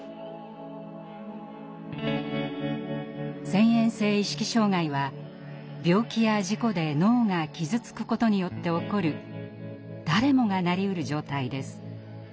遷延性意識障害は病気や事故で脳が傷つくことによって起こる誰もがなりうる状態です。